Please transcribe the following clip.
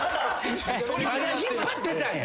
まだ引っ張ってたんや。